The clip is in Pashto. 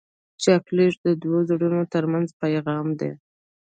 چاکلېټ د دوو زړونو ترمنځ پیغام دی.